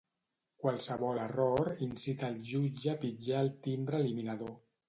Qualsevol error incita el jutge a pitjar el timbre eliminador.